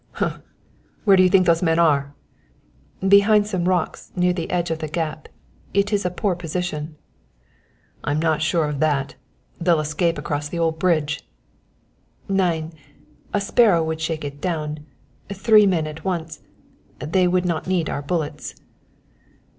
"Humph! Where do you think those men are?" "Behind some rocks near the edge of the gap. It is a poor position." "I'm not sure of that. They'll escape across the old bridge." "Nein. A sparrow would shake it down. Three men at once they would not need our bullets!"